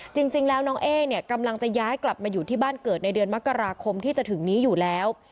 จริงแล้วน้องเอ๊เนี่ยกำลังจะย้ายกลับมาอยู่ที่บ้านเกิดในเดือนมกราคมที่จะถึงนี้อยู่แล้ว